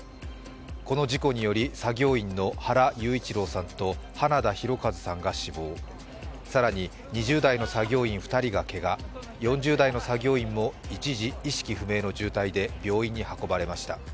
この事故により作業員の原裕一郎さんと花田大和さんが死亡、更に、２０代の作業員２人がけが、４０代の作業員も一時、意識不明の重体で病院に運ばれました。